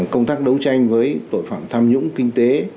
công tác đấu tranh với tội phạm tham nhũng kinh tế